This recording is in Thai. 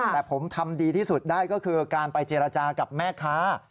แต่ผมทำดีที่สุดได้ก็คือการไปเจรจากับแม่ค้า